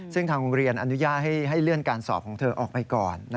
ซึ่งทางโรงเรียนอนุญาตให้เลื่อนการสอบของเธอออกไปก่อน